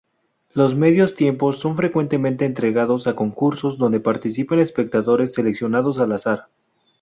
Los medios tiempos son frecuentemente entregados a concursos donde participan espectadores seleccionados al azar.